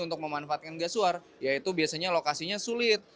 untuk memanfaatkan gas luar yaitu biasanya lokasinya sulit